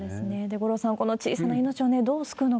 五郎さん、この小さな命をね、どう救うのか。